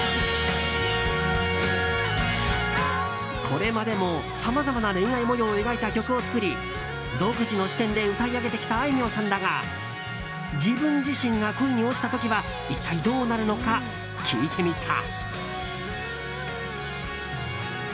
これまでも、さまざまな恋愛模様を描いた曲を作り独自の視点で歌い上げてきたあいみょんさんだが自分自身が恋に落ちた時は一体どうなるのか、聞いてみた。